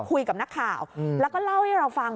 คุยกับนักข่าวแล้วก็เล่าให้เราฟัง